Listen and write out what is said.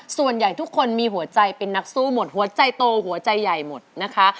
ส่วนใหญ่ทุกคนมีหัวใจเป็นนักสู้หมดหัวใจโตหัวใจใหญ่หมดนะคะ